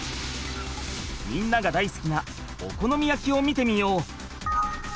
みんながだいすきなお好み焼きを見てみよう！